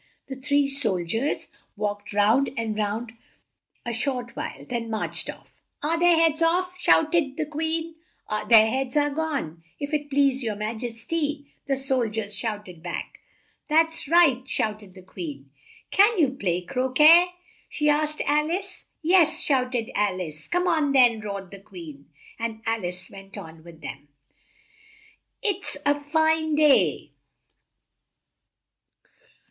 The three sol diers walked round and looked for them a short while, then marched off. "Are their heads off?" shout ed the Queen. "Their heads are gone, if it please your ma jes ty," the sol diers shouted back. "That's right!" shouted the Queen. "Can you play cro quet?" she asked Al ice. "Yes," shouted Al ice. "Come on then!" roared the Queen, and Al ice went on with them. "It's it's a fine day!"